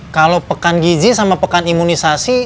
kalau pekan gizi sama pekan imunisasi